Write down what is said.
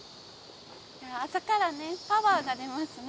朝からパワーが出ますね。